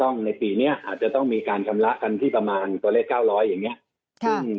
ในปีนี้อาจจะต้องมีการชำระกันที่ประมาณตัวเลข๙๐๐อย่างนี้